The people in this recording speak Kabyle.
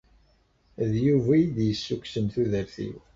D Yuba i iyi-d-yessukksen tudert-iw.